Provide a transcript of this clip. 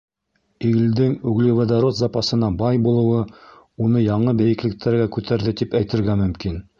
Илдең углеводород запасына бай булыуы уны яңы бейеклектәргә күтәрҙе тип әйтергә мөмкин.